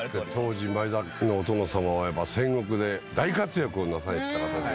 当時前田のお殿様は戦国で大活躍をなさった方ですからね。